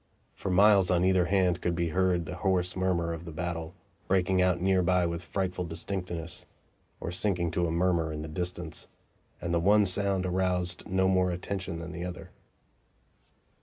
For miles on either hand could be heard the hoarse murmur of the battle, breaking out near by with frightful distinctness, or sinking to a murmur in the distance; and the one sound aroused no more attention than the other.